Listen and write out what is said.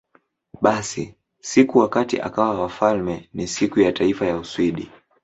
Basi, siku wakati akawa wafalme ni Siku ya Taifa ya Uswidi.